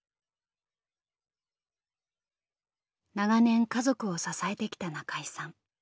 長年家族を支えてきた中井さん。